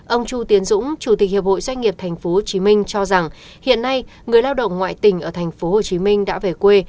ông chu tiến dũng chủ tịch hiệp hội doanh nghiệp tp hcm cho rằng hiện nay người lao động ngoại tỉnh ở tp hcm đã về quê